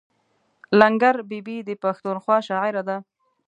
لنګر بي بي د پښتونخوا شاعره ده.